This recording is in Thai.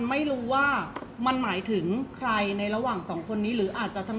เพราะว่าสิ่งเหล่านี้มันเป็นสิ่งที่ไม่มีพยาน